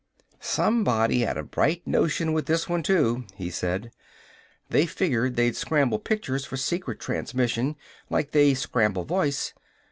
"Somebody had a bright notion with this one, too," he said. "They figured they'd scramble pictures for secret transmission, like they scramble voice.